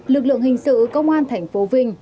lực lượng hình sự công an tp vinh